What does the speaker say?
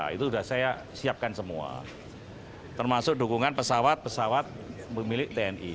itu sudah saya siapkan semua termasuk dukungan pesawat pesawat milik tni